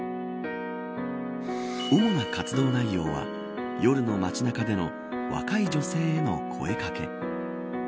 主な活動内容は夜の街中での若い女性の声掛け。